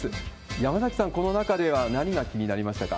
山崎さん、この中では何が気になりましたか？